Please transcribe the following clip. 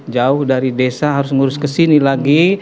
jauh dari desa harus ngurus kesini lagi